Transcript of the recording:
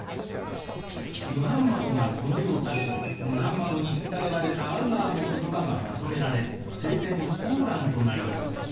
ムハンマドがこの世を去るとムハンマドに伝えられたアッラーの言葉がまとめられ聖典「コーラン」となります。